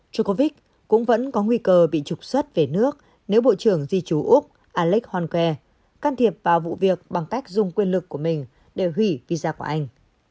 chocovich cũng vẫn có nguy cơ bị trục xuất về nước nếu bộ trưởng di chú úc alex hon ke can thiệp vào vụ việc bằng cách dùng quyền lực của mình để hủy visa của anh